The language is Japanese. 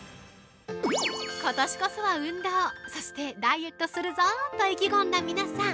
ことしこそは運動そしてダイエットするぞと意気込んだ皆さん。